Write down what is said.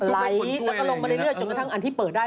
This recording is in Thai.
อะไรอย่างนี้เลยก็ลงทางตลาดจนกระทั่งที่เปิดได้